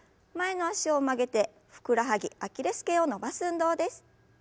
前の脚を曲げてふくらはぎアキレス腱を伸ばす運動です。